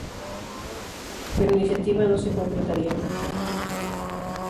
Pero iniciativa no se concretaría.